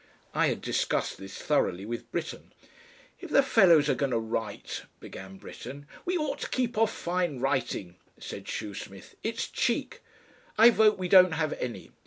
I had discussed this thoroughly with Britten. "If the fellows are going to write " began Britten. "We ought to keep off fine writing," said Shoesmith. "It's cheek. I vote we don't have any."